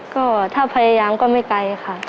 ก็ถ้าพยายามก็ไม่ไกลค่ะ